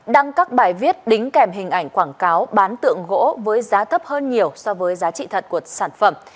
đăng các bài viết đính kèm hình ảnh quảng cáo bán tượng gỗ với giá thấp hơn nhiều so với giá trị thật của sản phẩm